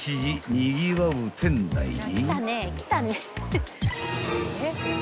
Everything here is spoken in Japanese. にぎわう店内に］